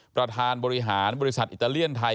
ประธานบริหารบริษัทอิตาเลียนไทย